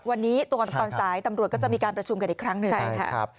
วันนี้ตอนสายตำรวจก็จะมีการประชุมกันอีกครั้งหนึ่งนะครับ